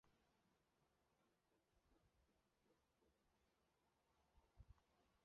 辛哈罗瓦帝是某些泰国学者宣称曾经建立在其北部的古国。